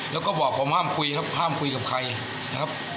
แล้วก็บอกผมห้ามคุยครับห้ามคุยกับใครนะครับ